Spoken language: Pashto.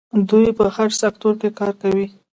دوی په هر سکتور کې کار کوي.